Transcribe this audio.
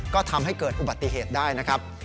ก็ทำให้เกิดอุบัติเหตุได้นะครับ